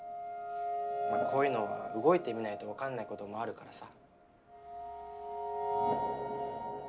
ほらこういうのは動いてみないと分かんないこともあるからさ。